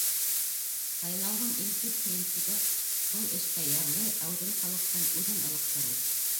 — Һайлауҙың иң төп принцибы — был эшкә ярлы, әүҙем халыҡтың үҙен ылыҡтырыу.